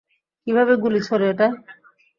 কিভাবে গুলি ছোঁড়ে এটায়?